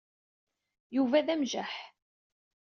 Yuba d amjaḥ.